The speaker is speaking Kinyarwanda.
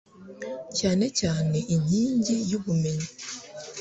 cyane cyane inkingi y'ubumenyi